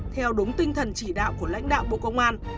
theo đúng tinh thần chỉ đạo của lãnh đạo bộ công an